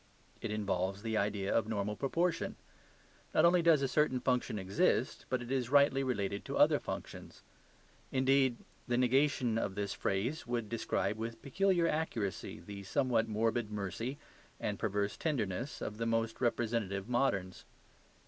It involves the idea of normal proportion; not only does a certain function exist, but it is rightly related to other functions. Indeed, the negation of this phrase would describe with peculiar accuracy the somewhat morbid mercy and perverse tenderness of the most representative moderns.